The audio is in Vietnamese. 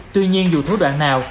tuy nhiên dù thủ đoạn nào